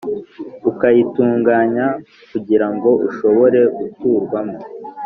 ukayitunganya kugira ngo ishobore guturwamo